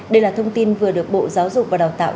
đây là thông tin vừa được bộ giáo dục và đào tạo